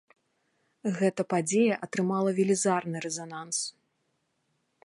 Гэта падзея атрымала велізарны рэзананс.